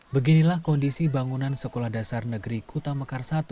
beginilah kondisi bangunan sekolah dasar negeri kutamekar i